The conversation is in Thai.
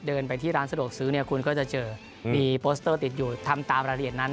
เดินไปที่ร้านสะดวกซื้อเนี่ยคุณก็จะเจอมีโปสเตอร์ติดอยู่ทำตามรายละเอียดนั้น